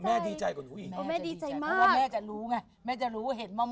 ดีใจกว่าหนูอีกอ๋อแม่ดีใจมากว่าแม่จะรู้ไงแม่จะรู้เห็นม่อม